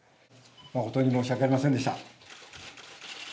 誠に申し訳ありませんでした。